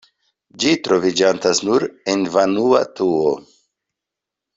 Ĝi troviĝantas nur en Vanuatuo.